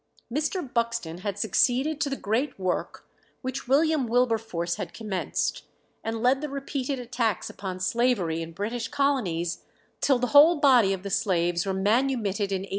Mr. Buxton had succeeded to the great work which William Wilberforce had commenced, and led the repeated attacks upon slavery in British colonies till the whole body of the slaves were manumitted in 1833.